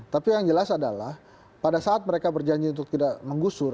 tapi yang jelas adalah pada saat mereka berjanji untuk tidak menggusur